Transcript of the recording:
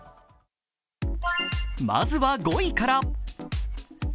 まずは５位から。